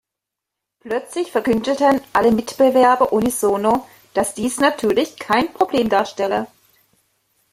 Plötzlich verkündeten alle Mitbewerber unisono, dass dies natürlich kein Problem darstelle.